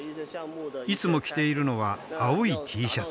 いつも着ているのは青いＴシャツ。